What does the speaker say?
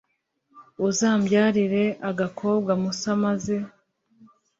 Uzambyarire agakobwa musa maze